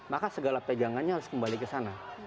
maka segala pegangannya harus kembali ke sana